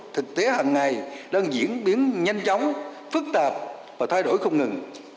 thực tế hằng ngày đang diễn biến nhanh chóng phức tạp và thay đổi không ngừng